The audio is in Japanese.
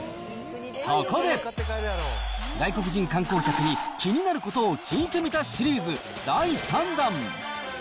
そこで、外国人観光客に気になることを聞いてみたシリーズ第３弾。